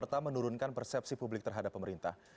serta menurunkan persepsi publik terhadap pemerintah